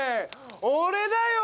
俺だよ！